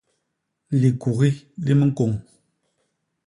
Likugi li miñkôñ.